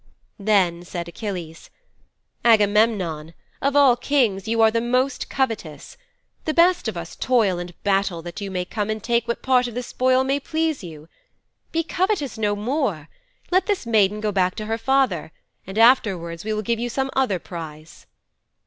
"' 'Then said Achilles: "Agamemnon, of all Kings you are the most covetous. The best of us toil and battle that you may come and take what part of the spoil may please you. Be covetous no more. Let this maiden go back to her father and afterwards we will give you some other prize."'